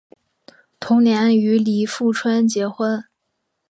同年与李富春结婚。